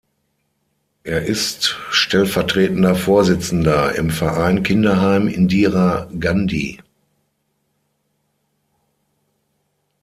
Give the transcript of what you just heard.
Er ist stellvertretender Vorsitzender im Verein Kinderheim Indira Gandhi.